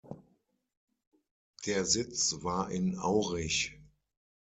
Der Sitz war in Aurich.